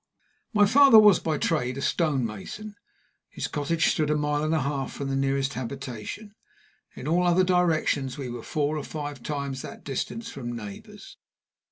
My father was by trade a stone mason. His cottage stood a mile and a half from the nearest habitation. In all other directions we were four or five times that distance from neighbors.